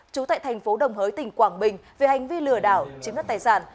trú tại thành phố đồng hới tỉnh quảng bình về hành vi lừa đảo chiếm đất tài sản